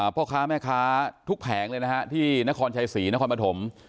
พ่อค้าแม่ค้าทุกแผงเลยนะฮะที่นครชัยศรีนครปฐม